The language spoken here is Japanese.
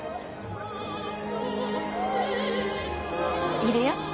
いるよ